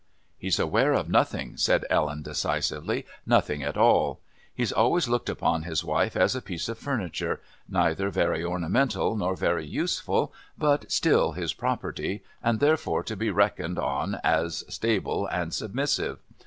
"He's aware of nothing," said Ellen decisively. "Nothing at all. He's always looked upon his wife as a piece of furniture, neither very ornamental nor very useful, but still his property, and therefore to be reckoned on as stable and submissive.